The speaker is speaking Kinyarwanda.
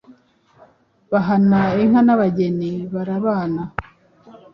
bahana inka n’abageni barabana